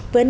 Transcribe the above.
với ấn độ